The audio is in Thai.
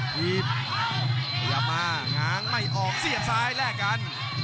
ผิดพยายามมาง้างไม่ออกเสียบซ้ายแลกกัน